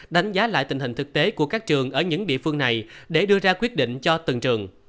đánh giá lại tình hình thực tế của các trường ở những địa phương này để đưa ra quyết định cho từng trường